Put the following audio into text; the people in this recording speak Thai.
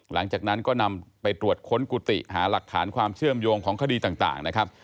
หลังจากนั้นก็นำไปตรวจค้นกุฏิหาหลักฐานความเชื่อมโยงของคดีต่างนะครับ